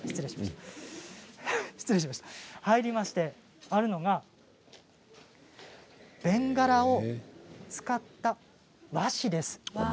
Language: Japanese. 入りましてあるのがベンガラを使った和紙です。